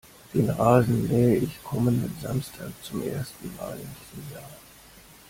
Den Rasen mähe ich kommenden Samstag zum ersten Mal in diesem Jahr.